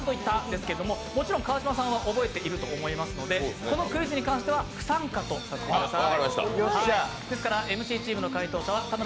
ですけれども、もちろん川島さんは覚えていると思うのでこのクイズに関しては不参加とさせてください。